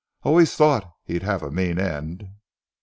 I always thought he'd have a mean end."